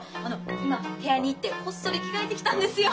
今部屋に行ってこっそり着替えてきたんですよ。